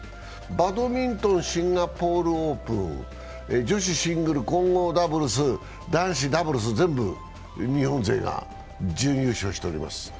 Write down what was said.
バドミントン・シンガポールオープン、女子シングルス、男子ダブルス、全部日本勢が準優勝しています。